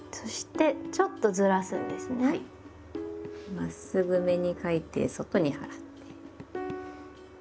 まっすぐめに書いて外に払って。